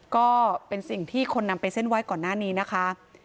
ก็เป็นสิ่งที่คนนำไปเส้นไหว้ก่อนหน้านี้นะคะ